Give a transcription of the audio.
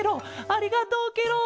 ありがとうケロ！